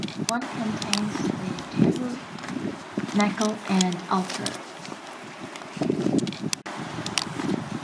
One contains the tabernacle and altar.